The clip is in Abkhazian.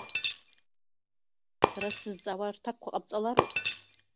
Сара сзызҵаауа рҭакқәа ҟабҵалароуп.